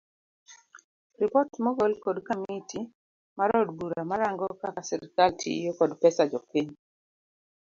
Ripot mogol kod kamiti mar od bura marango kaka sirikal tiyo kod pes jopiny